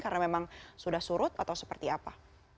karena memang sudah surut atau seperti apa